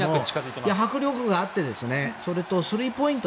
迫力があってそれとスリーポイント